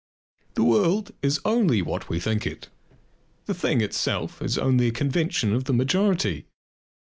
The world is only what we think it; the "thing itself" is only a convention of the majority.